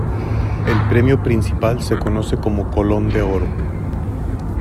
El premio principal se conoce como Colón de Oro.